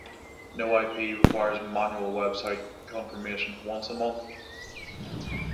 No-ip requires manual web site confirmation once a month.